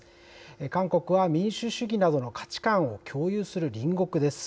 韓国は、民主主義などの価値観を共有する隣国です。